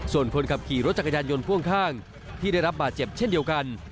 ส่วนคนขับขี่รถจักรยานยนต์พ่วงข้างที่ได้รับบาดเจ็บเช่นเดียวกัน